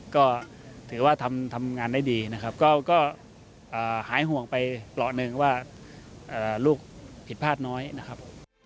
ก็ถือว่าทำงานได้ดีนะครับก็หายห่วงไปเปราะหนึ่งว่าลูกผิดพลาดน้อยนะครับ